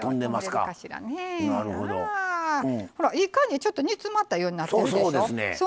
ちょっと煮詰まったようになってるでしょ。